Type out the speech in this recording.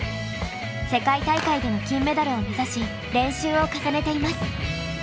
世界大会での金メダルを目指し練習を重ねています。